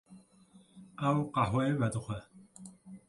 Ew qehweyê vedixwe.